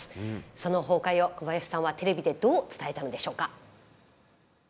その崩壊を小林さんはテレビでどう伝えたのでしょうか。